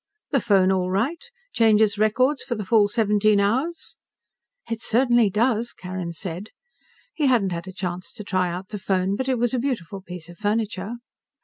"The phone all right? Changes records for the full seventeen hours?" "It certainly does," Carrin said. He hadn't had a chance to try out the phone, but it was a beautiful piece of furniture.